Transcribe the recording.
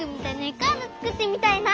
カードつくってみたいな。